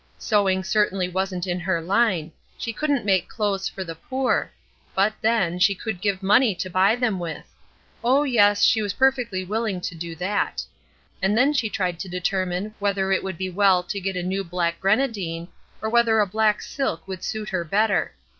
Sewing certainly wasn't in her line; she couldn't make clothes for the poor; but, then, she could give money to buy them with. Oh, yes, she was perfectly willing to do that. And then she tried to determine whether it would be well to get a new black grenadine, or whether a black silk would suit her better.